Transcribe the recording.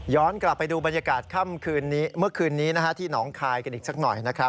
ย้อนกลับไปดูบรรยากาศเมื่อคืนนี้ที่น้องคายกันอีกสักหน่อยนะคะ